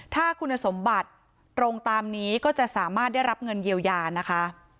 ถ้าคุณสมบัติตรงตามนี้ก็จะสามารถได้รับเงินเยียวยานะคะ